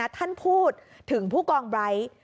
ท่านพูดถึงผู้กองไบร์ท